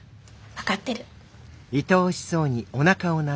分かってる。